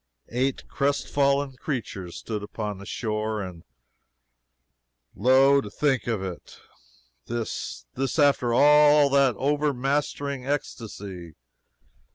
Eight crestfallen creatures stood upon the shore, and O, to think of it! this this after all that overmastering ecstacy!